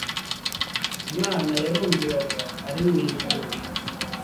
umwana yarumviraga ari mu ijuru